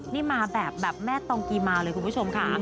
นี่มาแบบแม่ตองกีมาวเลยคุณผู้ชมค่ะ